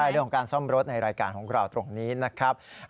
เรื่องของการซ่อมรถในรายการของเราตรงนี้นะครับ